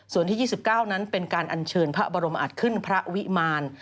ส่วนที่๒๙นั้นเป็นการอัญเชิญพระบรมอัตขึ้นพระวิมาร